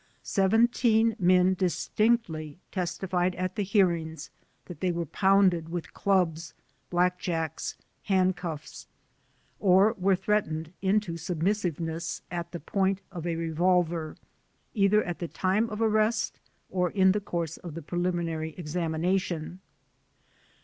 Seventeen men distinctly testified at the hearings that they were pounded with clubs, black jacks, hand cuffs or were threatened into submissiveness at the point of a revolver, either at the time of arrest or in the course of the preliminary examination.